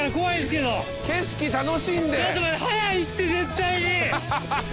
速いって絶対に。